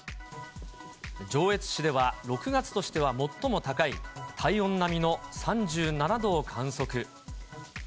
上越市では、６月としては最も高い、体温並みの３７度を観測。